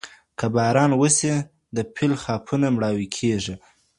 که باران وسي د فیل خاپونه مړاوې کېږي.